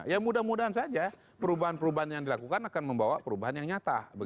ya mudah mudahan saja perubahan perubahan yang dilakukan akan membawa perubahan yang nyata